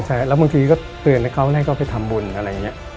ใช่แล้วบางทีก็เตือนให้เขาให้เขาไปทำบุญอะไรอย่างนี้